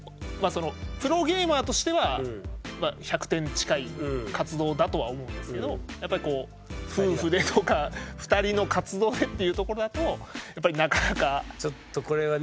プロゲーマーとしては１００点に近い活動だとは思うんですけどやっぱりこう夫婦でとか２人の活動でっていうところだとやっぱりなかなか。